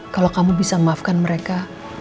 kalau kamu bisa memaafkan mereka